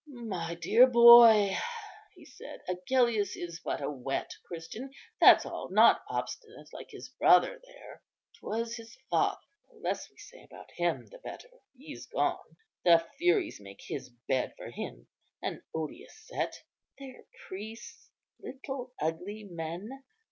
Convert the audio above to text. "My dear boy," he said, "Agellius is but a wet Christian; that's all, not obstinate, like his brother there. 'Twas his father; the less we say about him the better; he's gone. The Furies make his bed for him! an odious set! Their priests, little ugly men.